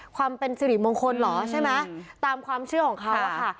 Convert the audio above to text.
ความเป็นสิริมงคลเหรอใช่ไหมตามความเชื่อของเขาอะค่ะ